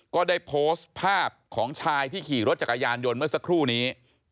ก็ได้โพสต์ภาพของชายที่ขี่รถจักรยานยนต์เมื่อสักครู่นี้